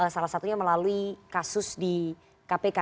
salah satunya melalui kasus di kpk